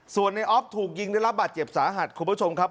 ส่วนในออฟถูกยิงได้รับบาดเจ็บสาหัสคุณผู้ชมครับ